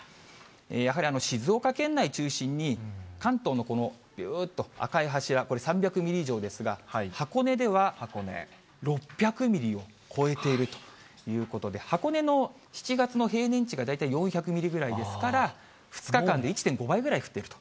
やはり、静岡県内中心に、関東のこのびゅーっと赤い柱、これ、３００ミリ以上ですが、箱根では６００ミリを超えているということで、箱根の７月の平年値が大体４００ミリぐらいですから、２日間で１．５倍ぐらい降っていると。